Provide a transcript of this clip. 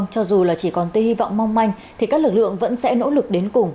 cho dù chỉ còn tên hy vọng mong manh thì các lực lượng vẫn sẽ nỗ lực đến cùng